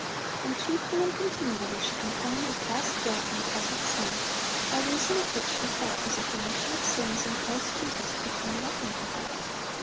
And chiefly and continually she complained of past guilt and present sin, by reason of which she felt as if 'remission of sins in Christ Jesus pertained nothing to her.'